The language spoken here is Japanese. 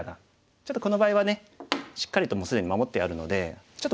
ちょっとこの場合はねしっかりと既に守ってあるのでちょっと